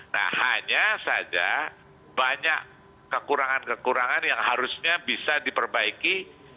nah hanya saja banyak kekurangan kekurangan yang harusnya bisa diperbaiki